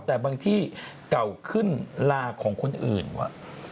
แต่บางที่เก่าขึ้นลาของคนอื่นว่ะ